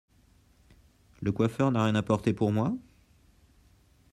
Le coiffeur n’a rien apporté pour moi ?